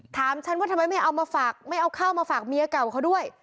ถามฉันว่าทำไมไม่เอามาฝากไม่เอาข้าวมาฝากเมียเก่าเขาด้วย